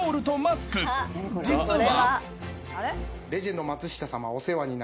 ［実は］